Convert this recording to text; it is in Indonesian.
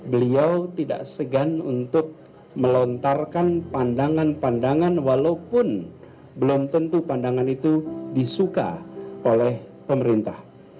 beliau tidak segan untuk melontarkan pandangan pandangan walaupun belum tentu pandangan itu disuka oleh pemerintah